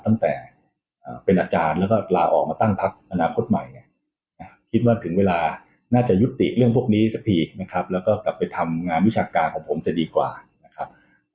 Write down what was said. ตั้งแต่เป็นอาจารย์แล้วก็ลาออกมาตั้งพักอนาคตใหม่ไงคิดว่าถึงเวลาน่าจะยุติเรื่องพวกนี้สักทีนะครับแล้วก็กลับไปทำงานวิชาการของผมจะดีกว่านะครับ